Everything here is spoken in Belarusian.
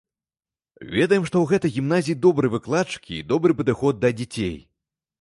Ведаем, што ў гэтай гімназіі добрыя выкладчыкі і добры падыход да дзяцей.